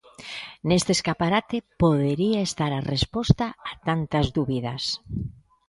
Neste escaparate podería estar a resposta a tantas dúbidas.